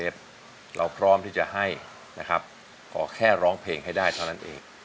ได้เท่านั้นเอง